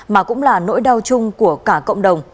mà cũng là nỗi đau chung của cả cộng đồng